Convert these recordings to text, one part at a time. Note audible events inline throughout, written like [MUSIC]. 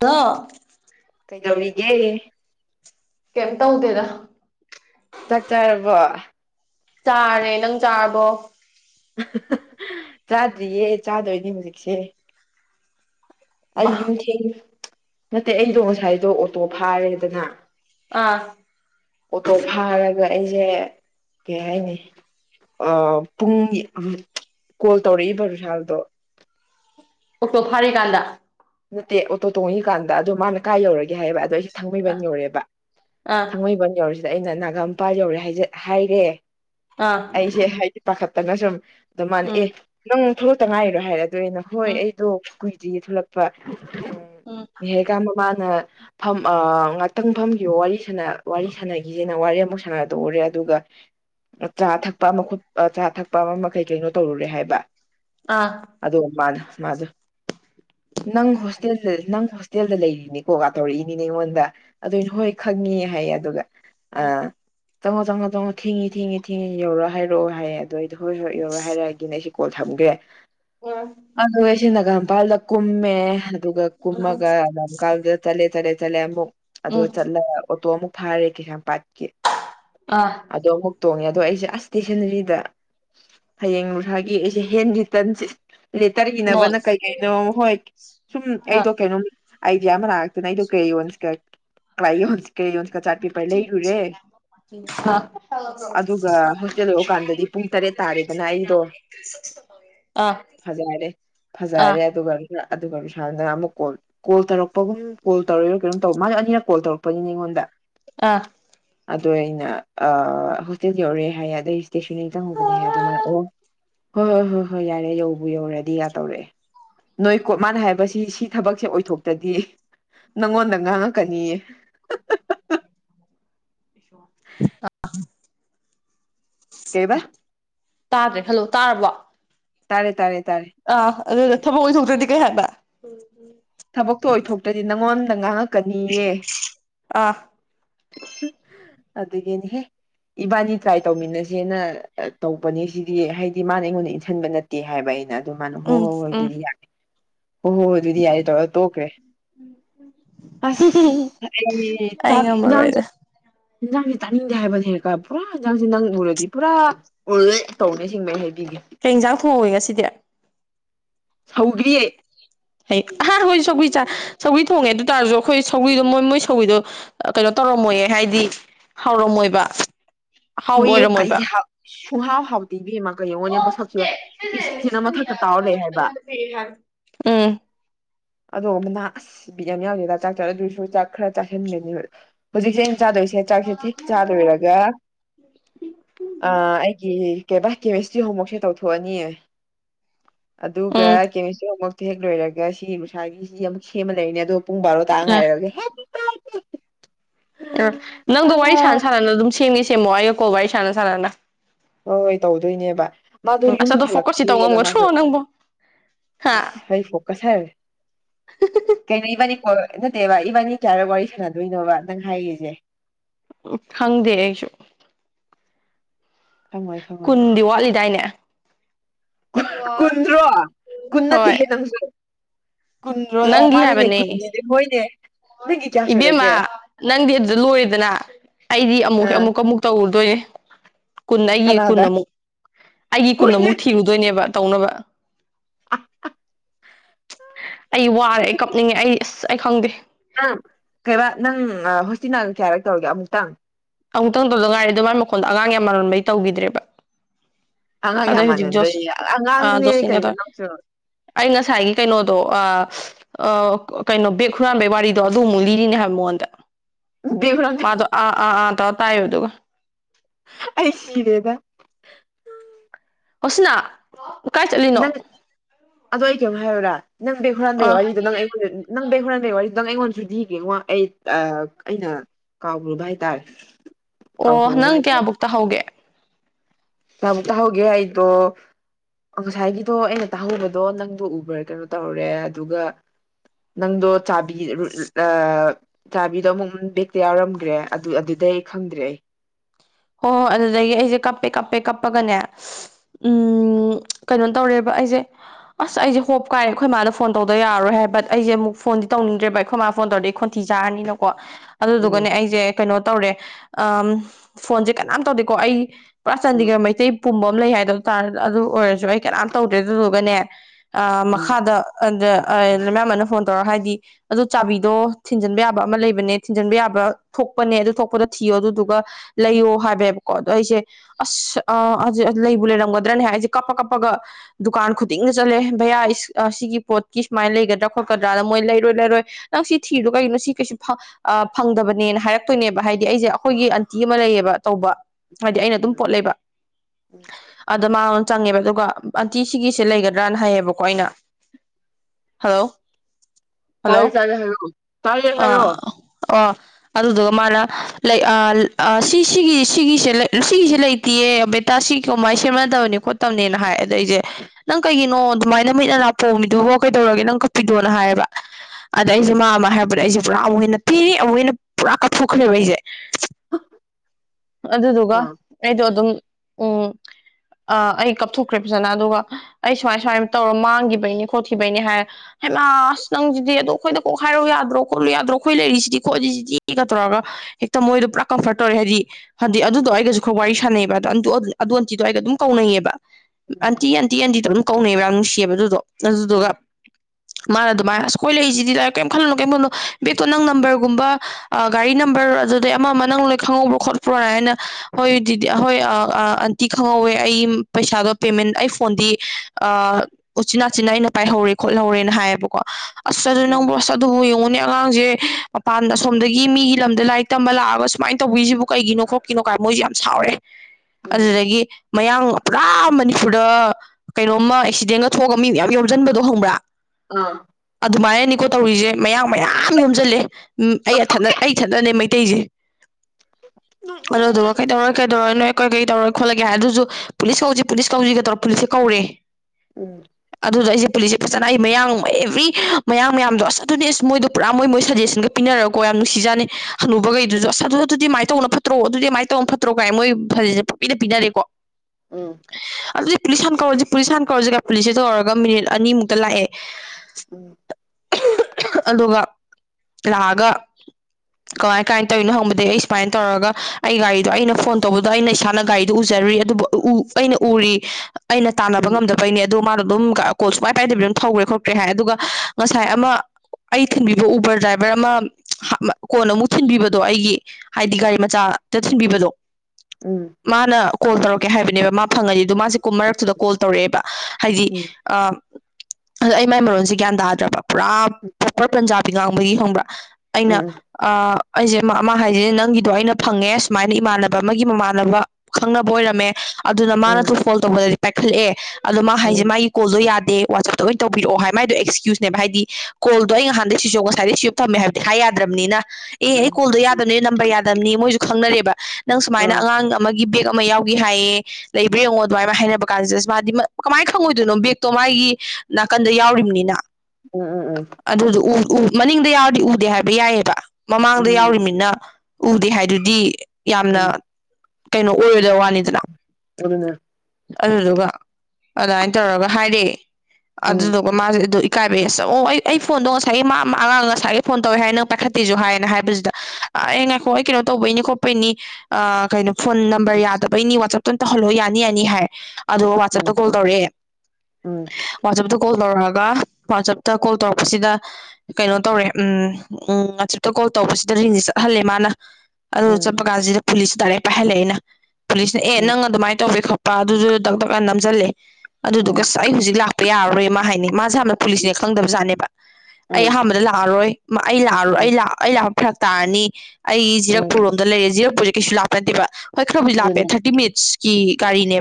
hello ꯀꯩꯗꯧꯔꯤꯒꯦ ꯀꯩꯝ ꯇꯧꯗꯦꯗ ꯆꯛ ꯆꯔꯕꯣ ꯆꯥꯔꯦ ꯅꯪ ꯆꯥꯔꯕꯣ ꯆꯥꯗ꯭ꯔꯤꯌꯦ ꯆꯥꯗꯣꯏꯅꯤ ꯍꯧꯖꯤꯛꯁꯦ ꯑꯩ ꯃꯥ ꯌꯨꯝꯗ ꯅꯠꯇꯦ ꯑꯩꯗꯣ ꯉꯁꯥꯏꯗꯣ ꯑꯣꯇꯣ ꯐꯥꯔꯦꯗꯅ ꯑꯥ ꯑꯣꯇꯣ ꯐꯥꯔꯒ ꯑꯩꯁꯦ ꯀꯩ ꯍꯥꯏꯅꯤ ꯄꯨꯡ ꯀꯣꯜ ꯇꯧꯔꯛꯏꯕ ꯔꯨꯁꯥꯜꯗꯣ ꯑꯣꯛꯇꯣ ꯐꯥꯔꯤꯀꯥꯟꯗ ꯅꯠꯇꯦ ꯑꯣꯇꯣ ꯇꯣꯡꯉꯤꯀꯥꯟꯗ ꯑꯗꯣ ꯃꯥꯅ ꯀꯥꯏ ꯌꯧꯔꯒꯦ ꯍꯥꯏꯕ ꯑꯗꯣ ꯑꯩ ꯊꯥꯡꯃꯩꯕꯟ ꯑꯥ ꯌꯧꯔꯦꯕ ꯑꯥ ꯊꯥꯡꯃꯩꯕꯟ ꯌꯧꯔꯤꯁꯤꯗ ꯑꯩꯅ ꯅꯥꯒꯥꯃꯄꯥꯟ ꯌꯧꯔꯦ ꯍꯥꯏ ꯍꯥꯏꯔꯦ ꯑꯥ ꯑꯩꯁꯦ ꯍꯥꯏꯗꯤ ꯄꯥꯈꯠꯇꯅ ꯁꯨꯝ ꯑꯗꯨ ꯃꯥꯟꯅꯑ ꯎꯝ ꯅꯪ ꯊꯣꯛꯂꯛꯇ ꯉꯥꯏꯔꯣ ꯍꯥꯏꯔꯗꯤ ꯑꯗꯨꯅ ꯍꯣꯏ ꯎꯝ ꯑꯩꯗꯣ ꯀꯨꯏꯗ ꯊꯣꯛꯂꯛꯄ ꯎꯝ ꯎꯝ ꯍꯦꯒꯃꯕ ꯅ ꯐ ꯑ ꯉꯥꯛꯇꯪ ꯐꯝꯈꯤꯕ ꯋꯥꯔꯤ ꯁ ꯋꯥꯔꯤ ꯁꯥꯟꯅꯈꯤꯁꯤꯅ ꯋꯥꯔꯤ ꯑꯃꯨꯛ ꯁꯥꯟꯅꯗꯎꯔꯦ ꯑꯗꯨꯒ ꯆꯥ ꯊꯛꯄ ꯑꯃꯠ ꯆꯥ ꯊꯛꯄ ꯑꯃ ꯃꯈꯩ ꯀꯩꯅꯣ ꯇꯧꯔꯨꯔꯦ ꯍꯥꯏꯕ ꯑꯥ ꯑꯗ ꯃꯥꯅꯦ ꯃꯥꯗ ꯅꯪ ꯍꯣꯁꯇꯦꯜꯗ ꯅꯪ ꯍꯣꯁꯇꯦꯜꯗ ꯂꯩꯔꯤꯅꯤ ꯀꯣꯀ ꯇꯧꯔꯛꯏꯅꯤꯅꯦ ꯑꯩꯉꯣꯟꯗ ꯑꯗꯨꯅ ꯍꯣꯏ ꯈꯪꯉꯤ ꯍꯥꯏꯌꯦ ꯑꯗꯨꯒ ꯑ ꯎꯝ ꯆꯪꯉꯣ ꯆꯪꯉꯣ ꯆꯪꯉꯣ ꯊꯤꯡꯉ ꯊꯉꯤ ꯊꯦꯡꯉꯤ ꯌꯧꯔꯣꯑꯣ ꯍꯥꯏꯔꯛꯑꯣ ꯍꯥꯏꯌꯦ ꯑꯗꯨꯗꯏꯗ ꯍꯣꯏ ꯍꯣꯏ ꯌꯧꯔ ꯍꯥꯏꯔꯑꯒꯅꯦ ꯑꯩ ꯀꯣꯜ ꯊꯝꯒꯦ ꯎꯝ ꯑꯗꯨ ꯁꯤꯅꯒꯥ ꯏꯝꯐꯥꯜꯗ ꯀꯨꯝꯃꯦ ꯑꯗꯨꯒ ꯎꯝ ꯀꯨꯝꯃꯒꯝꯀꯜꯗ ꯆꯠꯂꯦ ꯆꯠꯂꯦ ꯆꯠꯂꯦ ꯑꯃꯨꯛ ꯎꯝ ꯑꯗꯨꯒ ꯆꯠꯂ ꯑꯣꯇꯣ ꯑꯃꯨꯛ ꯐꯥꯔꯦ ꯀꯩꯁ ꯌꯥꯝ ꯄꯥꯠꯀꯦ ꯑ ꯑꯗꯣ ꯑꯃꯨꯛ ꯇꯣꯡꯉꯦ ꯑꯗꯣ ꯑꯩꯁꯦ ꯑꯁ ꯏꯁꯇꯦꯁꯅꯔꯤꯗ ꯍꯌꯦꯡꯂ ꯔꯨꯔꯁꯥꯒꯤ ꯑꯩꯁꯦ ꯍꯦꯟ ꯔꯤꯇꯟꯁꯦ ꯅꯣꯠ ꯂꯦꯇꯔꯒꯤꯅꯕꯅ ꯀꯩ ꯀꯩꯅꯣ ꯍꯣꯏ ꯁꯨꯝ ꯑꯥ ꯑꯩꯗꯣ ꯀꯩꯅꯣꯝ ꯑꯥꯏꯗꯤꯌꯥ ꯑꯃ ꯂꯥꯛꯑꯛꯇꯅ ꯑꯩꯗꯣ ꯀ ꯌꯣꯟꯁꯤ ꯌꯁꯤ ꯀ ꯀꯆꯥꯠ ꯄꯤꯄꯥꯏ ꯂꯩꯔꯨꯔꯦ ꯑꯗꯨꯒ ꯍꯣꯁꯇꯦꯜ ꯌꯧꯔꯀꯥꯟꯗꯗꯤ ꯄꯨꯡ ꯇꯔꯦꯠ ꯇꯥꯔꯦꯗꯅ ꯑꯩꯗꯣ [UNINTELLIGIBLE] [UNINTELLIGIBLE] ꯑꯥ ꯐꯖꯔꯦ ꯑꯥ ꯐꯖꯔꯦ ꯑꯗꯨꯒ ꯑꯗꯨꯒ ꯁꯥꯅ ꯑꯃꯨꯛꯀꯣꯜ ꯀꯣꯜ ꯇꯧꯔꯛꯒꯨꯝ ꯀꯣꯜꯧꯔꯣ ꯀꯩꯅꯣꯝ ꯇꯧꯕ ꯃꯥꯁꯨ ꯑꯅꯤꯅ ꯀꯣꯜ ꯇꯧꯔꯛꯄꯅꯤꯅꯦ ꯑꯩꯉꯣꯟꯗ ꯑꯥ [UNINTELLIGIBLE] ꯑꯗꯣ ꯑꯩꯅ ꯍꯣꯁꯇꯦꯜ ꯌꯧꯔꯦ ꯍꯥꯏꯌꯦ ꯑꯗꯩ ꯏꯁꯇꯦꯁꯟꯗ ꯆꯪꯉꯨꯕꯅꯦ ꯍꯥꯏ ꯑꯗꯨꯃꯥꯏ ꯂꯥꯛꯑꯣ ꯍꯣꯏ ꯍꯣꯏ ꯍꯣꯏ ꯍꯣꯏ ꯌꯥꯏꯔꯦ ꯌꯧꯕ ꯌꯧꯔꯗꯤꯒ ꯇꯧꯔꯛꯑꯦ ꯅꯣꯏ ꯀꯣ ꯃꯥꯅ ꯍꯥꯏꯕꯁꯤ ꯁꯤ ꯊꯕꯛꯁꯦ ꯑꯣꯏꯊꯣꯛꯇꯗꯤ ꯅꯪꯉꯣꯟꯗ ꯉꯥꯡꯉꯛꯀꯅꯤꯌꯦ ꯑ ꯀꯩꯕꯥ ꯇꯥꯗ꯭ꯔꯦ ꯈꯜꯂꯣ ꯇꯥꯔꯕꯣ ꯇꯥꯔꯦ ꯇꯥꯔꯦ ꯇꯥꯔꯦ ꯑꯥ ꯑꯗꯨꯗ ꯊꯕꯛ ꯑꯣꯏꯅꯊꯣꯛꯇ꯭ꯔꯗꯤ ꯀꯩ ꯍꯥꯏꯕ ꯎꯝ ꯎꯝ ꯊꯕꯛꯇꯣ ꯑꯣꯏꯊꯣꯛꯇ꯭ꯔꯗꯤ ꯅꯪꯉꯣꯟꯗ ꯉꯥꯡꯉꯛꯀꯅꯤꯌꯦ ꯑ ꯑꯗꯨꯒꯦꯅꯤ ꯍꯦ ꯏꯕꯥꯅꯤ ꯇ꯭ꯔꯥꯏ ꯇꯧꯃꯤꯟꯅꯁꯦꯅ ꯇꯧꯕꯅꯤ ꯁꯤꯗꯤ ꯍꯥꯏꯗꯤ ꯃꯥꯅ ꯑꯩꯉꯣꯟꯗ ꯏꯟꯁꯤꯟꯕ ꯅꯠꯇꯦ ꯍꯥꯏꯕ ꯑꯩꯅ ꯑꯗꯨ ꯃꯥꯅ ꯎꯝ ꯍꯣꯏ ꯍꯣꯏ ꯍꯣꯏ ꯎꯝ ꯑꯗꯨꯗꯤ ꯌꯥꯔꯦ ꯍꯣꯏ ꯍꯣꯏ ꯍꯣꯏ ꯑꯗꯨꯗꯤ ꯌꯥꯔꯦ ꯇꯧꯔ ꯇꯣꯛꯈ꯭ꯔꯦ ꯑꯁ ꯆ ꯑꯩ ꯉꯝꯃꯔꯣꯏꯗ ꯌꯦꯟꯖꯥꯡꯁꯤꯦ ꯇꯥꯅꯤꯡꯗꯦ ꯍꯥꯏꯕꯅꯤꯀ ꯄꯨꯔꯥ ꯌꯦꯟꯖꯥꯡꯁꯤꯦ ꯅꯪ ꯎꯔꯗꯤ ꯄꯨꯔꯥ ꯎ ꯇꯧꯅꯦ ꯁꯤꯡꯃꯩ ꯍꯥꯏꯕꯤꯒꯦ ꯍꯩ ꯌꯦꯟꯖꯥꯡ ꯊꯣꯡꯛꯑꯦꯒ ꯁꯤꯗꯤ ꯍꯧꯗ꯭ꯔꯤꯌꯦ ꯍ ꯑꯍꯥꯟꯈꯣꯏ ꯁꯧꯒꯔ꯭ꯤ ꯆ ꯁꯧꯒꯔꯤ ꯊꯣꯡꯉꯦ ꯑꯗꯨ ꯇꯥꯔꯁꯨ ꯑꯩꯈꯣꯏ ꯁꯧꯒꯔꯤꯗꯣ ꯃꯣꯏ ꯃꯣꯏ ꯁꯧꯒꯔꯤꯗꯣ ꯀꯩꯅꯣ ꯇꯧꯔꯝꯃꯣꯏꯌꯦ ꯍꯥꯏꯗꯤ ꯍꯥꯎꯔꯝꯃꯣꯏꯕ ꯑꯍꯥꯎꯕ ꯍꯣꯏꯌꯦ ꯀꯩ ꯑꯣꯏꯔꯝꯃꯣꯏꯕ ꯍꯥꯞ ꯁꯨꯡꯍꯥꯎ ꯍꯥꯎꯇꯦ ꯎꯕꯦꯝꯃ ꯀꯩ ꯌꯦꯉꯣꯅꯦ ꯃꯁꯛꯁꯨ ꯏꯁꯤꯡꯁꯤꯅ ꯃꯊꯛꯇ ꯇꯥꯎꯔ ꯂꯩꯑꯦ ꯍꯥꯏꯕ ꯎꯝ ꯑꯗꯣ ꯃꯅꯥ ꯑꯁ ꯕꯤꯠ ꯌꯥꯝ ꯌꯥꯎꯗꯦꯗ ꯆꯥꯛ ꯆꯥꯔꯦ ꯑꯗꯨꯁꯨ ꯆꯥꯛ ꯈꯔ ꯆꯥꯁꯤꯟꯒꯅꯤ ꯍꯧꯖꯤꯛꯁꯦ ꯑꯩꯅ ꯆꯥꯗꯣꯏꯁꯦ ꯆꯥꯛꯁꯦ ꯊꯦꯛ ꯆꯥꯗꯣꯏꯔꯒ ꯑꯥ ꯑꯩ ꯒꯤ ꯀꯩꯕ ꯀꯦꯃꯤꯁꯇ꯭ꯔꯤ ꯍꯣꯝꯋꯔꯛꯁꯦ ꯇꯧꯊꯣꯛꯑꯅꯤ ꯑꯗꯨꯒ ꯎꯝ ꯀꯦꯃꯤꯁꯇ꯭ꯔꯤ ꯍꯣꯝꯋꯔꯛ ꯇꯨ ꯍꯦꯛ ꯂꯣꯏꯔꯒ ꯁꯤ ꯃꯨꯁꯥꯒꯤ ꯁꯤ ꯑꯃꯨꯛ ꯁꯦꯝꯃ ꯂꯩꯔꯅꯦ ꯑꯗꯣ ꯄꯨꯡ ꯕꯥꯔꯣ ꯇꯥ ꯎꯝ ꯉꯥꯏꯔꯒ ꯍꯦ ꯎ ꯅꯪꯗꯣ ꯍꯣꯏ ꯋꯥꯔꯤ ꯁꯥꯟꯅ ꯁꯥꯟꯅꯅ ꯑꯗꯨꯝ ꯁꯦꯝꯒꯦ ꯁꯦꯝꯃꯣ ꯑꯩꯒ ꯀꯣꯜ ꯋꯥꯔꯤ ꯁꯥꯅ ꯁꯥꯟꯅꯅ ꯍꯣꯏ ꯍꯣꯏ ꯇꯧꯗꯣꯏꯅꯦꯕ ꯃꯥꯗꯣ ꯎꯝ ꯌꯨꯝ ꯑꯁ ꯑꯗꯣ ꯍꯜꯂꯛꯇꯦ ꯐꯣꯀꯁꯁꯤ ꯇꯧ ꯍꯥꯏꯕ ꯃꯥꯁꯨ ꯉꯝꯒꯗ꯭ꯔꯣ ꯅꯪꯕꯣ ꯍꯥ ꯍꯩ ꯐꯣ ꯀꯁꯔ ꯀꯩꯅꯣ ꯏꯕꯥꯅꯤꯀꯣꯜ ꯅꯠꯇꯦꯕ ꯏꯕꯥꯅꯤ ꯀꯌꯥ ꯍꯥꯏꯔꯒ ꯋꯥꯔꯤ ꯁꯥꯟꯅꯗꯣꯏꯅꯣꯕ ꯅꯪ ꯍꯥꯏꯔꯤꯁꯦ ꯎ ꯈꯪꯗꯦ ꯑꯩꯁꯨ ꯈꯪꯉꯣꯏ ꯈꯪꯉꯣꯏ ꯀꯨꯟꯗꯤ ꯋꯥꯠꯂꯤꯗꯥꯏꯅꯦ ꯀꯨꯟꯊꯔꯣ ꯀꯨꯟ ꯍꯣꯏ ꯅꯠꯇꯦꯍꯦ ꯅꯪꯁꯨ ꯀꯨꯟꯔꯣ ꯅꯪꯒꯤ ꯃꯥꯅꯤꯅꯦ ꯍꯥꯏꯕꯅꯦ ꯀꯨꯟꯅꯤꯅꯦ ꯍꯣꯏꯅꯦ ꯅꯪꯒꯤ ꯀꯌꯥ ꯁꯨꯔꯒꯦ ꯏꯕꯦꯝꯃ ꯅꯪꯗꯤ ꯑꯗꯨꯗ ꯂꯣꯏꯔꯦꯗꯅ ꯑꯩꯗꯤ ꯑ ꯑꯃꯨꯛ ꯑꯃꯨꯛ ꯑꯃꯨꯛ ꯇꯧꯔꯨꯗꯣꯏꯅꯦ ꯀꯨꯟ ꯑꯩꯒꯤ ꯀꯨꯟ ꯀꯅꯥꯗ ꯑꯃꯨꯛ ꯑꯩꯒꯤ ꯀꯨꯟ ꯍꯣꯏꯅꯦ ꯑꯃꯨꯛ ꯊꯤꯔꯨ ꯗꯣꯏꯅꯦꯕ ꯇꯧꯅꯕ ꯑꯩ ꯋꯥꯔꯦ ꯑꯩ ꯀꯞꯅꯤꯡꯉꯦ ꯑꯩ ꯑꯁ ꯑꯩ ꯈꯪꯗꯦ ꯅꯪ ꯀꯩꯕ ꯅꯪ ꯍꯣꯁꯇꯤꯅꯥꯗ ꯀꯌꯥꯔꯛ ꯇꯧꯔꯒꯦ ꯑꯃꯨꯛꯇꯪ ꯑꯃꯨꯛꯇꯪ ꯇꯧꯗ ꯉꯥꯏꯔꯤ ꯑꯗꯨ ꯃꯥꯏ ꯃꯈꯣꯟꯗꯣ ꯑꯉꯥꯡ ꯌꯥꯝ ꯃꯥꯂꯝꯕꯩ ꯇꯧꯈꯤꯗ꯭ꯔꯦꯕ ꯑꯉꯥꯡ ꯌꯥꯝ ꯑꯗꯩ ꯍꯧꯖꯤꯛ ꯖꯣꯁ ꯃꯥꯟꯃꯟꯕꯩꯌꯦ ꯑ ꯑꯉꯥꯡꯅꯦ ꯖꯣꯁꯂꯤꯟꯒ ꯀꯩꯅꯣ ꯇꯧꯔꯦ ꯅꯪꯁꯨ ꯑꯩ ꯉꯁꯥꯏꯒꯤ ꯀꯩꯅꯣꯗꯣ ꯑ ꯑ ꯀꯩꯅꯣ ꯕꯦꯛ ꯍꯨꯔꯥꯟꯕꯩ ꯋꯥꯔꯤꯗꯣ ꯑꯗꯨ ꯑꯃꯨꯛ ꯂꯤꯔꯤꯅꯦ ꯍꯥꯏꯕ ꯃꯉꯣꯟꯗ ꯕꯦꯛ [UNINTELLIGIBLE] ꯃꯥꯗꯣ ꯑꯥ ꯑꯥ ꯑꯥ ꯇꯧꯔ ꯇꯥꯏꯕ ꯑꯗꯨꯒ ꯑꯩ ꯁꯤꯔꯦꯗ ꯍꯣꯁꯤꯅꯥ ꯀꯥꯏ ꯆꯠꯂꯤꯅꯣ ꯅꯪ ꯑꯗꯣ ꯑꯩ ꯀꯩꯅꯣꯝ ꯍꯥꯏꯔꯨꯔꯥ ꯅꯪ ꯕꯦꯛ ꯑ ꯍꯨꯔꯥꯟꯕꯩ ꯋꯥꯔꯤꯗꯣ ꯅꯪ ꯑꯩꯉꯣꯟ ꯅꯪ ꯕꯦꯒ ꯍꯨꯔꯥꯟꯕꯩ ꯋꯥꯔꯤꯗꯣ ꯅꯪ ꯑꯩꯉꯣꯟꯗꯁꯨ ꯂꯤꯗꯦꯉꯣ ꯑꯩ ꯑꯩꯅ ꯀꯥꯎꯔꯨꯕ ꯍꯥꯏꯇꯥꯔꯦ ꯑꯣ ꯀꯥꯎꯊꯣꯛꯎꯕ ꯅꯪ ꯍꯥꯏꯇꯥꯔꯦ ꯀꯌꯥꯕꯨꯛ ꯇꯥꯍꯧꯒꯦ ꯀꯌꯥꯕꯨꯛ ꯇꯥꯍꯧꯒꯦ ꯍꯥꯏꯗꯣ ꯉꯁꯥꯏꯒꯤꯗꯣ ꯑꯩꯅ ꯇꯥꯍꯧꯕꯗꯣ ꯅꯪꯗꯣ ꯎꯕ꯭ꯔꯥ ꯀꯩꯅꯣ ꯇꯧꯔꯦ ꯑꯗꯨꯒ ꯅꯪꯗꯣ ꯆꯥꯕꯤ ꯑ ꯆꯥꯕꯤꯗꯣ ꯑꯃꯨꯛ ꯕꯦꯛꯇ ꯌꯥꯎꯔꯝꯗ꯭ꯔꯦ ꯑꯗꯨ ꯑꯗꯨꯗꯩ ꯈꯪꯗ꯭ꯔꯦ ꯑꯩ ꯍꯣꯏ ꯍꯣꯏ ꯑꯗꯨꯗꯒꯤ ꯑꯩꯁꯦ ꯀꯞꯄꯦ ꯀꯞꯄꯦ ꯀꯞꯄꯒꯅꯦ ꯎꯝ ꯀꯩꯅꯣ ꯇꯧꯔꯦꯕ ꯑꯩꯁꯦ ꯑꯁ ꯑꯩꯁꯦ ꯍꯣꯞ ꯀꯥꯏꯔꯦ ꯑꯩꯈꯣꯏ ꯃꯥꯗ ꯐꯣꯟ ꯇꯧꯗ ꯌꯥꯔꯣꯏ ꯍꯥꯏ ꯕꯠ ꯑꯩꯁꯦ ꯑꯃꯨꯛ ꯐꯣꯟꯗꯤ ꯇꯧꯅꯤꯡꯗ꯭ꯔꯦꯕ ꯑꯩꯈꯣꯏ ꯃꯥ ꯐꯣꯟ ꯇꯧꯗꯤ ꯈꯣꯟ ꯊꯤ ꯆꯥꯔꯅꯤꯅꯀꯣ ꯎꯝ ꯑꯗꯨꯗꯨꯒꯅꯦ ꯑꯩꯁꯦ ꯀꯩꯅꯣ ꯇꯧꯔꯦ ꯑ ꯐꯣꯟꯁꯦ ꯀꯅꯥꯝ ꯇꯧꯗꯦꯀꯣ ꯑꯩ ꯄꯨꯔꯥ ꯎꯝ ꯆꯥꯟꯗꯤꯒꯔ ꯃꯩꯇꯩ ꯄꯨꯝꯕ ꯑꯃ ꯂꯩ ꯍꯥꯏꯗꯣ ꯇꯥꯔ ꯑꯗꯨ ꯑꯣꯏꯔꯁꯨ ꯑꯩ ꯀꯅꯥꯝ ꯇꯧꯗ꯭ꯔꯦ ꯑꯗꯨꯗꯨꯒꯅꯦ ꯑ ꯎꯝ ꯃꯈꯥꯗ ꯑꯗ ꯑ ꯂꯝꯌꯥꯟꯕꯅ ꯐꯣꯟ ꯇꯧꯔ ꯍꯥꯏꯗꯤ ꯑꯗꯨ ꯆꯥꯕꯤꯗꯣ ꯊꯤꯟꯖꯤꯟꯕ ꯌꯥꯕ ꯑꯃ ꯂꯩꯕꯅꯦ ꯊꯤꯟꯖꯤꯟꯕ ꯌꯥꯕ ꯊꯣꯛꯄꯅꯦ ꯑꯗꯨ ꯊꯣꯛꯄꯗꯣ ꯊꯤꯌꯣ ꯑꯗꯨꯗꯨꯒ ꯂꯩꯌꯣ ꯍꯥꯏꯕꯦꯕꯀꯣ ꯑꯗꯣ ꯑꯩꯁꯦ ꯑꯁ ꯑ ꯂꯩꯕꯨ ꯂꯩꯔꯝꯒꯗ꯭ꯔꯅꯦ ꯑꯩꯁꯦ ꯀꯞꯄ ꯀꯞꯄꯒ ꯗꯨꯀꯥꯟ ꯈꯨꯗꯤꯡꯗ ꯆꯠꯂꯦ ꯚꯩꯌꯥ ꯑꯁꯤꯒꯤ ꯄꯣꯠꯀꯤ ꯁꯨꯃꯥꯏꯅ ꯂꯩꯒꯗ꯭ꯔꯥ ꯈꯣꯠꯀꯗ꯭ꯔꯥꯅ ꯃꯣꯏ ꯂꯩꯔꯣꯏ ꯂꯩꯔꯣꯏ ꯅꯪ ꯁꯤ ꯊꯤꯔꯤꯗꯣ ꯀꯔꯤꯒꯤꯅꯣ ꯁꯤ ꯀꯩꯁꯨ ꯐ ꯑ ꯐꯪꯗꯕꯅꯦꯅ ꯍꯥꯏꯔꯛꯇꯣꯏꯅꯦꯕ ꯍꯥꯏꯗꯤ ꯑꯩꯁꯦ ꯑꯩꯈꯣꯏꯒꯤ ꯑꯟ ꯇꯤ ꯑꯃ ꯂꯩꯌꯦꯕ ꯇꯧꯕ ꯍꯥꯏꯗꯤ ꯑꯩꯅ ꯑꯗꯨꯝ ꯄꯣꯠ ꯎꯝ ꯂꯩꯕ ꯑꯗ ꯃꯥꯉꯣꯟ ꯆꯪꯉꯦꯕ ꯑꯗꯨꯒ ꯑꯟꯇꯤ ꯁꯤꯒꯤꯁꯦ ꯂꯩꯒꯗ꯭ꯔꯅ ꯍꯥꯏꯌꯦꯕꯀꯣ ꯑꯩꯅ ꯍꯜꯂꯣ ꯍꯜꯂꯣ ꯇꯥꯏꯌꯦ ꯇꯥꯏꯌꯦ ꯍꯥꯏꯌꯣ ꯇꯥꯏꯌꯦ ꯍꯥꯏꯌꯣ ꯑꯥ ꯑꯣ ꯑꯗꯨꯗꯨꯒ ꯃꯥꯅ ꯂꯩ ꯑ ꯑ ꯁꯤ ꯁꯤꯒꯤ ꯁꯤꯒꯤꯁꯦ ꯁꯤꯒꯤꯁꯦ ꯂꯩꯇꯦꯌꯦ ꯕꯦꯇꯥ ꯁꯤꯒꯤ ꯀꯃꯥꯏꯅ ꯁꯦꯝꯅꯗꯕꯅꯤꯀꯣ ꯇꯧꯅꯦꯅ ꯍꯥꯏ ꯑꯗ ꯑꯩꯁꯦ ꯅꯪ ꯀꯩꯒꯤꯅꯣ ꯑꯗꯨꯃꯥꯏꯅ ꯃꯤꯠꯅ ꯂꯅꯥꯄꯣꯡꯝꯃꯤꯗꯨꯕ ꯀꯩꯗꯧꯔꯒꯦ ꯅꯪ ꯀꯞꯄꯤꯗꯣꯅ ꯍꯥꯏꯌꯦꯕ ꯑꯗ ꯑꯩꯁꯦ ꯃꯥ ꯑꯃ ꯍꯥꯏꯔꯕꯗ ꯑꯩꯁꯦ ꯄꯨꯔꯥ ꯑꯃꯨꯛ ꯍꯦꯟꯅ ꯇꯦ ꯑꯃꯨꯛ ꯍꯦꯟꯅ ꯄꯨꯔꯥ ꯀꯞꯊꯣꯛꯈ꯭ꯔꯦꯕ ꯑꯩꯁꯦ ꯑꯗꯨꯗꯨꯒ ꯑꯥ ꯑꯩꯗꯣ ꯑꯗꯨꯝ ꯎꯝ ꯑ ꯑꯩ ꯀꯞꯊꯣꯛꯈ꯭ꯔꯦ ꯐꯖꯅ ꯑꯗꯨꯒ ꯑꯩ ꯁꯨꯃꯥꯏ ꯁꯨꯃꯥꯏꯅ ꯇꯧꯔ ꯃꯥꯡꯈꯤꯕꯩꯅꯤ ꯈꯣꯠꯈꯤꯕꯩꯅꯤ ꯍꯥꯏꯔ ꯍꯩꯃꯥ ꯑꯁ ꯅꯪꯁꯤꯗꯤ ꯑꯗꯣ ꯑꯩꯈꯣꯏꯗ ꯀꯣꯛ ꯍꯥꯏꯔꯣ ꯌꯥꯗ꯭ꯔꯣ ꯈꯣꯠꯂꯣ ꯌꯥꯗ꯭ꯔꯣ ꯑꯩꯈꯣꯏ ꯂꯩꯔꯤꯁꯤꯗꯤ ꯈꯣꯠꯂꯤꯁꯤꯗꯤꯒ ꯇꯧꯔꯒ ꯃꯣꯏꯗꯣ ꯎꯝ ꯄꯨꯔꯥ ꯀꯝꯐꯔꯠ ꯇꯧꯔꯦ ꯍꯥꯏꯗꯤ ꯍꯥꯏꯗꯤ ꯑꯗꯨꯗꯣ ꯑꯩꯒꯁꯨ ꯈꯣꯏ ꯋꯥꯔꯤ ꯁꯥꯟꯅꯩꯕ ꯑ ꯑꯗꯨꯣ ꯑꯟꯇꯤꯗꯣ ꯑꯩꯒ ꯑꯗꯨꯝ ꯀꯧꯅꯩꯌꯦꯕ ꯑꯟꯇꯤ ꯑꯟꯇꯤ ꯑꯟꯇꯤꯗ ꯑꯗꯨꯝ ꯀꯧꯅꯩꯑꯕ ꯌꯥꯝ ꯅꯨꯡꯁꯤꯌꯦꯕ ꯑꯗꯨꯗꯣ ꯑꯗꯨꯗꯨꯒ ꯃꯥꯅ ꯑꯗꯨꯃꯥꯏꯅ ꯑꯁ ꯈꯣꯏ ꯂꯩꯁꯤꯗꯤ ꯑꯣ ꯀꯩꯝ ꯈꯜꯂꯨꯅꯣ ꯀꯩꯝ ꯈꯜꯂꯅꯣ ꯕꯦꯛꯇꯣ ꯅꯪ ꯅꯝꯕꯔꯒꯨꯝꯕ ꯒꯥꯔꯤ ꯅꯝꯕꯔ ꯑꯗꯨꯗꯤ ꯑꯃ ꯑꯃ ꯅꯪ ꯂꯣꯏ ꯈꯪꯍꯧꯕ꯭ꯔꯣ ꯈꯣꯠꯄ꯭ꯔꯣ ꯍꯥꯏ ꯍꯥꯏꯅ ꯍꯣꯏ ꯗꯤ ꯍꯍꯣꯏ ꯑꯟꯇꯤ ꯈꯪꯍꯧꯋꯦ ꯑꯩ ꯄꯩꯁꯥꯗꯣ ꯄꯦꯃꯦꯟ ꯑꯩ ꯐꯣꯟꯗꯤ ꯑ ꯎꯆꯤꯟꯅꯥꯆꯤꯅꯥ ꯑꯩꯅ ꯄꯥꯏꯍꯧꯔꯦ ꯈꯣꯠꯍꯧꯔꯦꯅ ꯍꯥꯏꯌꯦꯕꯀꯣ ꯑꯁ ꯑꯗꯨ ꯎꯝ ꯅꯪꯕꯨꯣ ꯑꯁ ꯑꯗꯨꯕꯨ ꯌꯦꯡꯉꯨꯅꯦ ꯑꯉꯥꯡꯁꯦ ꯃꯄꯥꯟꯗ ꯑꯁꯣꯝꯗꯒꯤ ꯃꯤꯒꯤ ꯂꯝꯗ ꯂꯥꯏꯔꯤꯛ ꯇꯝꯕ ꯂꯥꯛꯑꯒ ꯁꯨꯃꯥꯏꯅ ꯇꯧꯕꯤꯁꯤꯕꯨ ꯀꯩꯒꯤꯅꯣ ꯈꯣꯠꯀꯤꯅꯣ ꯀꯥꯏ ꯃꯣꯏꯁꯨ ꯌꯥꯝ ꯁꯥꯎꯔꯦ ꯎꯝ ꯑꯗꯨꯗꯒꯤ ꯃꯌꯥꯡ ꯄꯨꯔꯥ ꯃꯅꯤꯄꯨꯔꯗ ꯀꯩꯅꯣꯝꯃ ꯑꯦꯛꯁꯤꯗꯦꯟꯒ ꯊꯣꯛꯑꯒ ꯃꯤ ꯃꯌꯥꯝ ꯌꯣꯝꯁꯤꯟꯕꯗꯣ ꯍꯪꯕ꯭ꯔꯥ ꯑꯥ ꯑꯗꯨꯃꯥꯏꯅꯅꯤꯀꯣ ꯇꯧꯔꯤꯁꯦ ꯃꯌꯥꯝ ꯃꯌꯥꯝ ꯌꯣꯝꯁꯜꯂꯦ ꯎꯝ ꯑꯩ ꯑꯩ ꯊꯠꯅꯅꯦ ꯃꯩꯇꯩꯁꯦ ꯎ ꯑꯗꯨꯗꯨꯒ ꯀꯩꯗꯧꯔ ꯀꯩꯗꯧꯔ ꯅꯣꯏ ꯀꯩ ꯀꯩ ꯇꯧꯔꯣꯏ ꯈꯣꯠꯂꯒꯦ ꯑꯗꯨꯗꯨꯁꯨ ꯄꯨꯂꯤꯁ ꯀꯧꯁꯤꯛ ꯄꯨꯂꯤꯁ ꯀꯧꯁꯤꯒꯗ꯭ꯔꯣ ꯄꯨꯂꯤꯁꯦ ꯀꯧꯔꯦ ꯎꯝ ꯑꯗꯨꯗ ꯑꯩꯁꯦ ꯄꯨꯂꯤꯁꯦ ꯐꯖꯅ ꯑꯩ ꯃꯌꯥ ꯑꯦꯕ꯭ꯔꯤ ꯃꯌꯥꯝ ꯃꯌꯥꯝꯗꯣ ꯑꯁ ꯑꯗꯨꯅꯦ ꯑꯁ ꯃꯣꯏꯣ ꯄꯨꯔꯥ ꯃꯣꯏ ꯃꯣꯏ ꯁꯖꯦꯁꯟ ꯄꯤꯅꯔꯒꯀꯣ ꯌꯥꯝ ꯅꯨꯡꯁꯤ ꯆꯥꯅ ꯍꯅꯨꯕꯒ ꯑꯗꯨꯁꯨ ꯑꯁꯥꯗꯣ ꯑꯗꯨꯗꯤ ꯑꯗꯨꯃꯥꯏꯅ ꯇꯧꯅ ꯐꯠꯇ꯭ꯔꯣ ꯑꯗꯨꯗꯤ ꯑꯗꯨꯃꯥꯏꯅ ꯇꯧꯅ ꯐꯠꯇ꯭ꯔꯣ ꯀꯥꯏꯅ ꯃꯣꯏ ꯐꯁꯦ ꯄꯛꯄꯤꯅ ꯄꯤꯅꯔꯦꯀꯣ ꯑ ꯑꯗꯨꯗꯤ ꯄꯨꯂꯤꯁ ꯍꯥꯟ ꯀꯧꯔꯁꯤꯦ ꯄꯨꯂꯤꯁ ꯍꯥꯟ ꯀꯧꯔꯁꯤꯒ ꯄꯨꯂꯤꯁꯁꯦ ꯇꯧꯔꯒ ꯃꯤꯅꯤꯠ ꯑꯅꯤꯃꯨꯛꯇ ꯂꯥꯛꯑꯦ ꯎꯝ ꯑꯗꯨꯒ ꯑꯗꯨꯒ ꯔꯒ ꯀ ꯀꯃꯥꯏꯅ ꯇꯧꯔꯤꯤꯣꯪꯕꯗꯤ ꯑꯩ ꯁꯨꯃꯥꯏꯅ ꯇꯧꯔꯒ ꯑꯩ ꯒꯥꯔꯤꯗꯣ ꯑꯩꯅ ꯐꯣꯟ ꯇꯧꯕꯗꯣ ꯑꯩꯅ ꯏꯁꯥꯅ ꯒꯥꯔꯤꯗꯨꯣ ꯎꯖꯔꯨꯏ ꯑꯗꯨꯕꯨ ꯑꯩꯅ ꯎꯔꯤ ꯑꯩꯅ ꯇꯥꯟꯅꯕ ꯎꯝ ꯉꯝꯗꯕ ꯩꯅꯦ ꯑꯗꯨ ꯃꯥꯅꯣ ꯑꯗꯨꯝ ꯀꯣꯜꯁꯨ ꯃꯥꯏ ꯄꯥꯏꯗꯕꯤ ꯑꯗꯨꯝ ꯊꯧꯈ꯭ꯔꯦ ꯈꯣꯠꯈ꯭ꯔꯦ ꯍꯥꯏ ꯑꯗꯨꯒ ꯉꯁꯥꯏ ꯑꯃ ꯑꯩ ꯊꯤꯡꯕꯤꯕ ꯎꯕꯔ ꯗ꯭ꯔꯥꯏꯚꯔ ꯑꯃ ꯀꯣꯟꯅ ꯑꯃꯨꯛ ꯊꯤꯟꯕꯤꯕꯗꯣ ꯑꯩꯒꯤ ꯍꯥꯏꯗꯤ ꯒꯥꯔꯤ ꯃꯆꯥꯗ ꯊꯤꯟꯕꯤꯕꯗꯣ ꯎꯝ ꯃꯥꯅ ꯀꯣꯜ ꯇꯧꯔꯛꯀꯦ ꯍꯥꯏꯕꯅꯦꯕ ꯃꯥ ꯐꯪꯉꯅꯤ ꯑꯗꯨ ꯃꯥꯁꯦ ꯀꯨꯝ ꯃꯔꯛꯇꯨꯗ ꯀꯣꯜ ꯇꯧꯔꯛꯑꯦꯕ ꯍꯥꯏꯗꯤ ꯑ ꯑꯗꯣ ꯑꯩ ꯃꯥꯏ ꯃꯔꯣꯟꯁꯦ ꯒ꯭ꯌꯥꯟ ꯇꯥꯗ꯭ꯔꯕ ꯄꯨꯔꯥ ꯄ꯭ꯔꯣꯄꯔ ꯄꯟꯖꯥꯕꯤ ꯉꯥꯡꯕꯒꯤ ꯈꯪꯕ꯭ꯔꯥ ꯑꯩꯅ ꯎꯝ ꯑ ꯑꯩꯁꯦ ꯑꯃ ꯍꯥꯏꯖꯦ ꯅꯪꯒꯤꯗꯣ ꯑꯩꯅ ꯐꯪꯉꯦ ꯁꯨꯃꯥꯏꯅ ꯏꯃꯥꯟꯅꯕ ꯑꯃꯒꯤ ꯃꯃꯥꯟꯅꯕ ꯈꯪꯅꯕ ꯑꯣꯏꯔꯝꯃꯦ ꯑꯗꯨꯅ ꯃꯥꯅ ꯎꯝ ꯎꯝ ꯇꯨ ꯐꯣꯜ ꯇꯧꯕꯗꯗꯤ ꯄꯥꯏꯈꯠꯂꯛꯑꯦ ꯑꯗꯣ ꯃꯥ ꯍꯥꯏꯁꯦ ꯎꯝ ꯃꯥꯒꯤ ꯀꯣꯜꯗꯣ ꯌꯥꯗꯦ ꯋꯥꯆꯞꯇ ꯂꯣꯏꯅ ꯇꯧꯕꯤꯔꯛꯑꯣ ꯍꯥꯏ ꯃꯥꯏꯗꯣ ꯑꯦꯛꯁꯀ꯭ꯌꯨꯁꯅꯦꯕ ꯍꯥꯏꯗꯤ ꯀꯣꯜꯗꯣ ꯑꯩ ꯅꯍꯥꯟꯗ ꯁꯤꯁꯨ ꯉꯁꯥꯏꯁꯨ ꯊꯝꯃꯦ ꯍꯥꯏꯕꯗꯤ ꯍꯥꯏ ꯌꯥꯗ꯭ꯔꯕꯅꯤꯅ ꯑꯦ ꯑꯩ ꯀꯣꯜꯗꯣ ꯌꯥꯗꯕꯅꯤ ꯅꯝꯕꯔ ꯌꯥꯗꯕꯅꯤ ꯃꯣꯏꯁꯨ ꯈꯪꯅꯔꯦꯕ ꯅꯪ ꯁꯨꯃꯥꯏꯅ ꯑꯥ ꯑꯉꯥꯡ ꯑꯃꯒꯤ ꯕꯦꯛꯒ ꯑꯃ ꯌꯥꯎꯒꯦ ꯍꯥꯏꯌꯦ ꯂꯩꯕ꯭ꯔꯥ ꯌꯦꯡꯉꯣ ꯑꯗꯨꯃꯥꯏꯅ ꯍꯥꯏꯅꯕ ꯀꯥꯟꯁꯤꯗꯁ ꯃꯥꯗꯤ ꯀꯃꯥꯏꯅ ꯈꯪꯉꯣꯏꯗꯣꯏꯅꯣ ꯕꯦꯒꯛꯇꯣ ꯃꯥꯒꯤ ꯅꯥꯀꯟꯗ ꯌꯥꯎꯝꯅꯤꯅ ꯎꯝ ꯎꯝ ꯎꯝ ꯑꯗꯨꯗ ꯃꯅꯤꯡꯗ ꯌꯥꯎꯔꯗꯤ ꯎꯗꯦ ꯍꯥꯏꯕ ꯌꯥꯏꯑꯕ ꯃꯃꯥꯡꯗ ꯎꯝ ꯌꯥꯎꯔꯤꯃꯤꯅ ꯎꯗꯦ ꯍꯥꯏꯗꯨꯗꯤ ꯎꯝ ꯌꯥꯝꯅ ꯎꯝ ꯀꯩꯅꯣ ꯑꯣꯏꯔꯣꯏꯗꯕ ꯋꯥꯅꯤꯗꯅ ꯑꯗꯨ ꯑꯗꯨꯅꯦ ꯑꯗꯨꯗꯨꯒ ꯑꯗꯨꯃꯥꯏꯅ ꯇꯧꯔꯒ ꯍꯥꯏꯔꯛꯑꯦ ꯎꯝ ꯑꯗꯨꯗꯨꯒ ꯃꯥꯁꯦ ꯑꯗꯨ ꯀꯥꯏꯕꯩꯌꯦꯁ ꯑꯣ ꯑꯩ ꯐꯣꯟꯗꯣ ꯉꯁꯥꯏꯒꯤ ꯃꯥ ꯑꯃ ꯑꯉꯥꯡ ꯉꯁꯥꯏꯒꯤ ꯐꯣꯟ ꯇꯧꯋꯦ ꯍꯥꯏꯅ ꯅꯪ ꯄꯥꯏꯈꯠꯇꯦꯁꯨ ꯍꯥꯏꯅ ꯍꯥꯏꯕꯁꯤꯗ ꯑ ꯑ ꯉꯈꯣꯏꯣꯏ ꯀꯩꯅꯣ ꯇꯧꯕꯩꯅꯤ ꯈꯣꯠꯄꯩꯅꯤ ꯑ ꯀꯩꯅꯣ ꯐꯣꯟ ꯅꯝꯕꯔ ꯌꯥꯗꯕꯩꯅꯤ ꯋꯥꯠꯆꯞꯇꯅ ꯇꯧꯍꯜꯂꯣ ꯌꯥꯅꯤ ꯌꯥꯅꯤ ꯍꯥꯏ ꯑꯗꯣ ꯋꯥꯆꯞꯇ ꯎꯝ ꯀꯣꯜ ꯇꯧꯔꯛꯑꯦ ꯎꯝ ꯎꯝ ꯋꯥꯆꯞꯇ ꯀꯣꯜ ꯇꯧꯔꯛꯑꯒ ꯋꯥꯆꯞꯇ ꯀꯣꯜ ꯇꯧꯔꯛꯄꯁꯤꯗ ꯀꯩꯅꯣ ꯇꯧꯔꯦ ꯎꯝ ꯎꯝ ꯋꯥꯆꯦꯞꯇ ꯀꯣꯜ ꯇꯧꯕꯁꯤꯗ ꯔꯤꯡꯁꯦ ꯆꯠꯍꯜꯂꯦ ꯃꯥꯅ ꯑꯗꯨ ꯆꯠꯄ ꯀꯥꯟꯁꯤꯗ ꯄꯨꯂꯤꯁꯇ ꯗꯥꯏꯔꯦꯛ ꯄꯥꯏꯍꯜꯂꯛꯑꯏꯅ ꯄꯨꯂꯤꯁꯅ ꯑꯦ ꯎꯝ ꯎꯝ ꯎꯝ ꯎꯝ ꯅꯪ ꯑꯗꯨꯃꯥꯏꯅ ꯇꯧꯒꯦ ꯈꯣ ꯄꯥ ꯑꯗꯨꯗꯨ ꯇꯪ ꯇꯛꯅ ꯅꯝꯁꯤꯜꯂꯦ ꯑꯗꯨꯗꯨꯒ ꯑꯩ ꯍꯧꯖꯤꯛ ꯂꯥꯛꯄ ꯌꯥꯔꯔꯣꯏ ꯃꯥ ꯍꯥꯏꯅꯤ ꯃꯥꯁꯦ ꯌꯥꯝꯅ ꯄꯨꯂꯤꯁꯅꯦ ꯈꯪꯗꯕꯖꯥꯠꯅꯦꯕ ꯑꯩ ꯑꯍꯥꯟꯕꯗ ꯂꯥꯛꯑꯔꯣꯏ ꯑꯩ ꯂꯥꯛꯑꯔ ꯑꯩ ꯑꯩ ꯂꯥꯛꯄ ꯐꯔꯛ ꯇꯥꯔꯅꯤ ꯑꯩꯒꯤ ꯖꯤꯔꯛ ꯄꯨꯔꯛꯄ ꯔꯦ ꯖꯤꯔ ꯀ ꯂꯄ ꯅꯕ ꯍꯣꯏ ꯈꯔ ꯍꯧ ꯎꯝ ꯂꯄꯦ ꯊꯥꯔꯇꯤ ꯃꯤꯠꯁꯀꯤ ꯒꯥꯔꯤꯅꯦ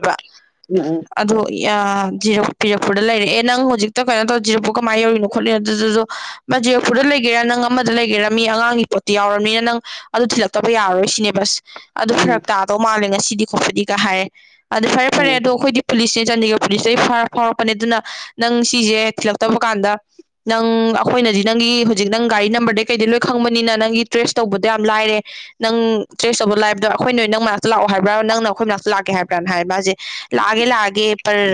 ꯎꯝ ꯑꯗꯣ ꯖꯤꯔ ꯄꯤꯔꯛꯄꯨꯔꯗ ꯂꯩꯔꯛꯦ ꯅꯪ ꯍꯧꯖꯤꯛꯇ ꯀꯩꯅꯣ ꯇꯧꯔ ꯖꯤꯔꯛꯄꯨ ꯀꯃꯥꯏꯅ ꯌꯧꯔꯤꯅꯣ ꯈꯣꯠꯂꯤꯅꯣ ꯑꯗꯨꯗꯨꯗ ꯃꯥ ꯖꯔꯄꯨꯔꯗ ꯂꯩꯒꯦꯔꯥ ꯅꯪ ꯑꯃꯗ ꯂꯩꯒꯦꯔꯃꯤ ꯑꯉꯥꯡꯒꯤ ꯄꯣꯠꯇꯨ ꯌꯥꯎꯔꯝꯃꯤꯅ ꯅꯪ ꯑꯗꯨ ꯊꯤꯜꯂꯛꯇꯕ ꯌꯥꯔꯔꯣꯏ ꯁꯤꯅꯦ ꯕꯁ ꯑꯗꯨ ꯎꯝ ꯎꯝ ꯐꯔꯛ ꯇꯥꯗꯧ ꯃꯥꯜꯂꯦ ꯉꯁꯤꯗꯤ ꯈꯣꯠꯄꯗꯤꯒ ꯍꯥꯏꯔꯦ ꯑꯗꯨ ꯐꯔꯦ ꯐꯔꯦ ꯎꯝ ꯑꯗꯣ ꯑꯩꯈꯣꯏꯗꯤ ꯄꯨꯂꯤꯁꯅꯦ ꯆꯥꯟꯗꯤꯒꯔ ꯄꯨꯂꯤꯁꯇꯒꯤꯔ ꯐꯥꯎꯔꯛꯄꯅꯦ ꯑꯗꯨꯅ ꯅꯪ ꯁꯤꯁꯦ ꯊꯤꯜꯂꯛꯇꯕ ꯀꯥꯟꯗ ꯅꯪ ꯑꯩꯈꯣꯏꯅꯗꯤ ꯅꯪꯒꯤ ꯍꯧꯖꯤꯛ ꯅꯪ ꯒꯥꯔꯤ ꯅꯝꯕꯔꯗꯩ ꯀꯩꯗꯩ ꯂꯣꯏ ꯈꯪꯕꯅꯤꯅ ꯅꯪꯒꯤ ꯇ꯭ꯔꯦꯁ ꯇꯧꯕꯗꯣ ꯌꯥꯝ ꯂꯥꯏꯔꯦ ꯅꯪ ꯇ꯭ꯔꯦꯁ ꯇꯧꯕ ꯂꯥꯏꯐꯇꯣꯈꯣꯏ ꯅꯪ ꯃꯅꯥꯛꯇ ꯂꯥꯛꯑꯣ ꯍꯥꯏꯕ꯭ꯔꯥ ꯅꯪꯅ ꯑꯩꯈꯣꯏ ꯃꯅꯥꯛꯇ ꯂꯥꯛꯀꯦ ꯍꯥꯏꯕ꯭ꯔꯥ ꯍꯥꯏ ꯃꯥꯁꯦ ꯂꯥꯛꯑꯦ ꯂꯥꯛꯑꯒꯦ ꯄꯔ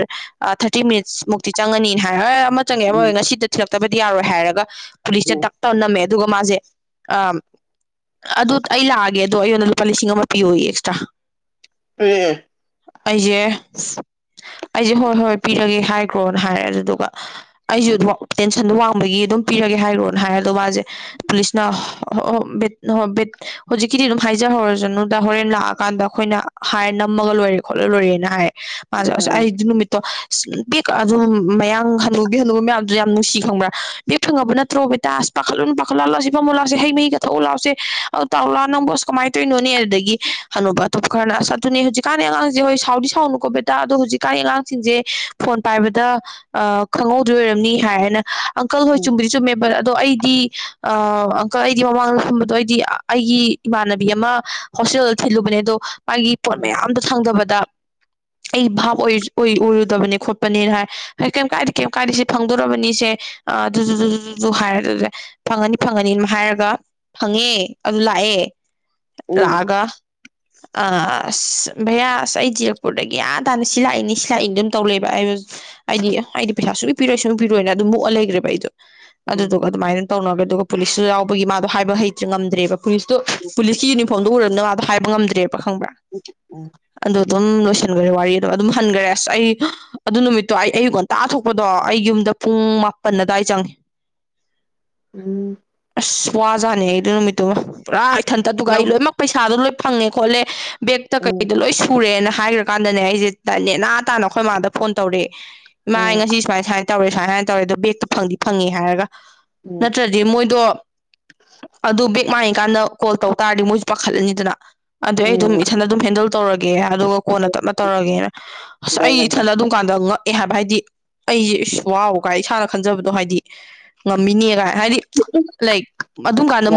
ꯊꯥꯔꯇꯤ ꯃꯤꯅꯤꯠꯁ ꯃꯨꯛꯇꯤ ꯆꯪꯉꯅꯤꯅ ꯍꯥꯏ ꯍꯣꯏ ꯆꯪꯉꯦ ꯑꯃꯔ ꯉꯁꯤꯗ ꯊꯤꯜꯂꯛꯇꯕꯗꯤ ꯌꯥꯔꯣꯏ ꯍꯥꯏꯔꯒ ꯄꯨꯂꯤꯁꯇ ꯇꯛ ꯇꯧ ꯅꯝꯃꯦ ꯑꯗꯨꯒ ꯃꯥꯁꯦ ꯑ ꯑꯗꯨ ꯑꯩ ꯂꯥꯛꯑꯒꯦ ꯑꯗꯣ ꯑꯩꯉꯣꯟꯗ ꯂꯨꯄꯥ ꯂꯤꯁꯤꯡ ꯑꯃ ꯄꯤꯌꯣꯏ ꯑꯦꯛꯁꯇ꯭ꯔꯥ ꯄꯦ ꯑꯩꯁꯦ ꯑꯩꯁꯦ ꯍꯣꯏ ꯍꯣꯏ ꯄꯤꯔꯒꯦ ꯍꯥꯏꯈ꯭ꯔꯣꯅ ꯍꯥꯏꯔꯦ ꯑꯗꯨꯗꯨꯒ ꯑꯩꯁꯨ ꯑꯗꯨ ꯇꯦꯟꯁꯟꯗꯣ ꯋꯥꯡꯕꯒꯤ ꯑꯗꯨꯝ ꯄꯤꯔꯒꯦ ꯍꯥꯏꯔꯣꯅ ꯍꯥꯏꯔ ꯑꯗꯣ ꯃꯥꯁꯦ ꯄꯨꯂꯤꯁꯅ ꯑ ꯕꯠ ꯍꯧꯖꯤꯛꯀꯤꯗꯤ ꯑꯗꯨꯝ ꯍꯥꯏꯖꯍꯧꯔꯁꯅꯗ ꯍꯣꯔꯦꯟ ꯂꯥꯛꯑꯀꯥꯟꯗ ꯑꯩꯈꯣꯏꯅ ꯍꯥꯏ ꯃꯒ ꯂꯣꯏꯔꯦ ꯈꯣꯠꯂ ꯂꯣꯏꯔꯦꯅ ꯍꯥꯏꯌꯦ ꯃꯥꯁꯦ ꯑꯁ ꯑꯩ ꯅꯨꯃꯤꯠꯇꯣ ꯕꯒ ꯑꯗꯨꯝ ꯃꯌꯥꯡ ꯍꯜꯂꯨꯕꯤ ꯍꯜꯂꯨꯕ ꯃꯌꯥꯝꯗꯨ ꯌꯥꯝ ꯅꯨꯡꯁꯤ ꯈꯪꯕ꯭ꯔꯥ ꯕꯦꯦꯛ ꯐꯪꯉꯕ ꯅꯠꯇ꯭ꯔꯣ ꯕꯦꯇꯥꯁ ꯄꯥꯈꯠꯂꯨꯅ ꯄꯥꯈꯠꯂꯥꯜꯂꯑꯣ ꯁꯤ ꯐꯥꯃ ꯂꯥꯛꯁꯦ ꯍꯩ ꯃꯍꯤꯒ ꯊꯣꯛꯎ ꯂꯥꯛꯑꯣꯁꯦ ꯑ ꯇꯥꯎꯔꯛꯥꯛꯑꯣ ꯅꯪꯕꯣꯁ ꯀꯃꯥꯏꯅ ꯇꯧꯅꯣꯅꯦ ꯑꯗꯨꯗꯒꯤ ꯍꯅꯨꯕ ꯇꯨꯞꯞ ꯈꯔꯅ ꯆ ꯑꯗꯨꯅ ꯍꯧꯖꯤꯛ ꯍꯧꯖꯤꯛ ꯀꯥꯟꯗ ꯑꯉꯥꯡꯁꯦ ꯍꯣꯏ ꯁꯥꯎꯗꯤ ꯁꯥꯎꯅꯨꯀꯣ ꯕꯦꯇꯥ ꯑꯗꯣ ꯍꯧꯖꯤꯛꯀꯥꯟꯒꯤ ꯑꯉꯥꯡꯁꯤꯡꯁꯦ ꯐꯣꯟ ꯄꯥꯏꯕꯗ ꯑ ꯈꯪꯍꯧꯗ꯭ꯔꯣꯏ ꯑꯣꯏꯔꯝꯅꯤ ꯍꯥꯏ ꯍꯥꯏꯅ ꯑꯪꯀꯜ ꯍꯣꯏ ꯆꯨꯝꯕꯗꯤ ꯆꯨꯝ ꯃ ꯠ ꯑꯗꯣ ꯑꯩꯗꯤ ꯑ ꯑꯪꯀꯜ ꯑꯩꯗꯤ ꯃꯃꯥꯡꯗ ꯊꯕꯗꯣ ꯑꯩꯗꯤ ꯑꯩꯒꯤ ꯏꯃꯥꯟꯅꯕꯤ ꯑꯃ ꯍꯣꯁꯇꯦꯜ ꯊꯤꯜꯂꯨꯕꯅꯦ ꯑꯗꯣ ꯃꯥꯒꯤ ꯄꯣꯠ ꯃꯌꯥꯝꯗ ꯁꯪꯗꯕꯗ ꯑꯩ ꯚꯥꯞ ꯑꯣꯏꯔꯨꯗꯕꯅꯤ ꯈꯣꯠꯄꯅꯤꯅ ꯍꯥꯏ ꯍ ꯀꯩ ꯀꯥꯏꯛꯩ ꯀꯥꯏꯗꯤꯁꯤ ꯐ ꯐꯪꯗꯣꯔꯔꯕꯅꯤꯁꯦ ꯑꯗꯨ ꯑꯗꯨ ꯍꯥꯏꯔ ꯑꯗꯨ ꯐꯪꯉꯅꯤ ꯐꯪꯉꯅꯤꯅ ꯍꯥꯏꯔꯒ ꯐꯪꯉꯦ ꯑꯗꯨ ꯂꯥꯛꯑꯦ ꯂꯥꯛꯑꯒ ꯑ ꯑꯁ ꯚꯩꯌꯥ ꯑꯁ ꯑꯩ ꯖꯤꯔꯛꯄꯨꯔꯗꯒꯤ ꯒ꯭ꯟ ꯇꯥꯅ ꯁꯤꯜ ꯂꯥꯛꯏꯅꯤ ꯁꯤꯜ ꯂꯥꯛꯏꯅꯤ ꯑꯗꯨꯝ ꯇꯧ ꯂꯩꯦꯕ ꯑꯩ ꯍꯥꯏꯗꯤ ꯍꯥꯏꯗꯤ ꯄꯩꯁꯥꯁꯨ ꯏ ꯄꯤꯔꯣꯏ ꯁꯨꯡ ꯄꯤꯔꯣꯏꯅ ꯑꯗꯨꯝ ꯃꯣꯛꯑ ꯂꯩꯈ꯭ꯔꯦꯕ ꯑꯩꯗꯣ ꯑꯗꯨꯗꯨꯒ ꯑꯗꯨꯃꯥꯏꯅ ꯇꯧꯅꯔꯒ ꯑꯗꯨꯒ ꯄꯨꯂꯤꯁꯁꯨ ꯌꯥꯎꯕꯒꯤ ꯃꯥꯗꯣ ꯍꯥꯏꯕ ꯍꯩꯇ꯭ꯔꯦ ꯉꯝꯗ꯭ꯔꯦꯕ ꯄꯨꯂꯤꯁꯇꯨ ꯄꯨꯂꯤꯁꯀꯤ ꯌꯨꯅꯤꯐ ꯐꯣꯟꯗꯨ ꯎꯔꯅꯣ ꯍꯥꯏꯕ ꯉꯝꯗ꯭ꯔꯦꯕ ꯈꯪꯕ꯭ꯔꯥ ꯎꯝ ꯑꯗꯨ ꯑꯗꯨꯝ ꯂꯣꯏꯁꯤꯟꯒ꯭ꯔꯦ ꯋꯥꯔꯤ ꯑꯗꯣ ꯑꯗꯨꯝ ꯍꯟꯒ꯭ꯔꯦ ꯑꯁ ꯑꯩ ꯑꯗꯨ ꯅꯨꯃꯤꯠꯇꯣ ꯑꯩ ꯑꯌꯨꯛ ꯉꯟ ꯇꯥꯊꯣꯛꯄꯗꯣ ꯑꯩ ꯌꯨꯝꯗ ꯄꯨꯡ ꯃꯥꯄꯟ ꯑꯗꯨꯋꯥꯏ ꯆꯪꯉꯦ ꯎꯝ ꯑꯁ ꯋꯥꯖꯥꯠꯅꯦ ꯑꯩꯗ ꯅꯨꯃꯤꯠꯇꯨꯃ ꯄꯨꯔꯥ ꯏꯊꯟꯇ ꯇꯨꯒ ꯑꯩ ꯂꯣꯏꯅꯃꯛ ꯄꯩꯁꯥꯗꯣ ꯂꯣꯏ ꯐꯪꯉꯦ ꯈꯣꯠꯂꯦ ꯕꯦꯛ ꯑꯩꯗꯣ ꯂꯣꯏ ꯁꯨꯔꯦꯅ ꯍꯥꯏꯈ꯭ꯔꯀꯥꯟꯗꯅꯦ ꯑꯩꯁꯦ ꯅꯦꯅꯥ ꯇꯥꯅ ꯑꯩꯈꯣꯏꯃꯥꯗ ꯐꯣꯟ ꯇꯧꯔꯦ ꯏꯃꯥ ꯑꯩ ꯉꯁꯤ ꯁꯨꯃꯥꯏꯅ ꯁꯨꯃꯥꯏꯅ ꯇꯧꯔꯦ ꯁꯨꯃꯥꯏꯅ ꯁꯃꯥꯏꯅ ꯇꯧꯔꯦ ꯑꯗ ꯕꯦꯛꯇꯣ ꯐꯪꯗꯤ ꯐꯪꯉꯦ ꯍꯥꯏꯔꯒ ꯅꯠꯇ꯭ꯔꯗꯤ ꯑꯗꯨꯗꯩ ꯃꯣꯏꯗꯣ ꯑꯗꯨ ꯕꯦꯛ ꯃꯥꯡꯉꯤꯀꯥꯟꯗ ꯀꯣꯜ ꯇꯧ ꯇꯥꯔꯗꯤ ꯃꯣꯏꯁꯨ ꯄꯥꯈꯠꯂꯅꯤꯗꯅ ꯑꯗꯨꯗ ꯑꯩ ꯑꯗꯨꯝ ꯏꯊꯟꯗ ꯑꯗꯨꯝ ꯍꯦꯟꯗꯜ ꯇꯧꯔꯒꯦ ꯑꯗꯨꯒ ꯀꯣꯟꯅ ꯇꯞꯅ ꯇꯧꯔꯒꯦꯅ ꯑꯁ ꯑꯩ ꯏꯊꯟꯗ ꯑꯗꯨꯝ ꯗꯨꯀꯥꯟꯗ ꯉꯛꯑꯦ ꯍꯥꯏꯕ ꯍꯥꯏꯗꯤ ꯑꯩꯁꯦ ꯋꯥꯎ ꯀꯥꯏ ꯏꯁꯥꯅ ꯈꯟꯖꯕꯗꯣ ꯍꯥꯏꯗꯤ ꯉꯝꯃꯤꯅꯦꯒꯥꯏ ꯍꯥꯏꯗꯤ ꯂꯥꯏꯛ ꯑꯗꯨꯝ ꯀꯥꯟꯗ